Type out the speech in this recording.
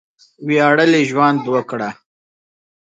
وياړلی ژوند وکړه!